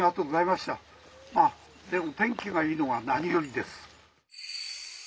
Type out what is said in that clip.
まあでも天気がいいのが何よりです。